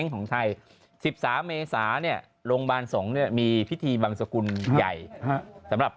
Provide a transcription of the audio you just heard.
ของไทย๑๓เมษาเนี่ยโรงพยาบาลสงฆ์เนี่ยมีพิธีบังสกุลใหญ่สำหรับ